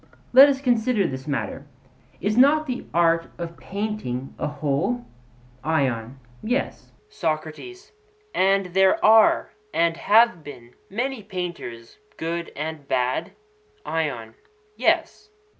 Let us consider this matter; is not the art of painting a whole? ION: Yes. SOCRATES: And there are and have been many painters good and bad? ION: Yes.